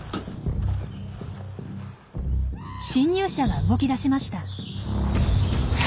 侵入者が動き出しました。